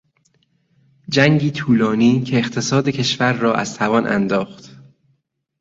جنگی طولانی که اقتصاد کشور را از توان انداخت